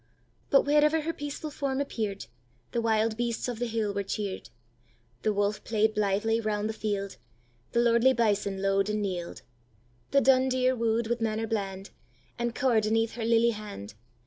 But wherever her peaceful form appear'd, The wild beasts of the hill were cheer'd; The wolf play'd blythly round the field, The lordly byson low'd and kneel'd; The dun deer woo'd with manner bland, And cower'd aneath her lily hand.